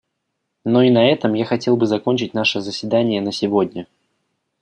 Ну и на этом я хотел бы закончить наше заседание на сегодня.